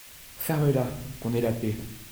Ferme-là, que l'on ait la paix !